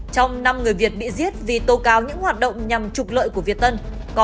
trong năm người việt bị giết vì tố cáo những hoạt động nhằm trục lợi của việt tân